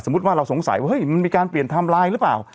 ว่าเราสงสัยว่าเฮ้ยมันมีการเปลี่ยนไทม์ไลน์หรือเปล่า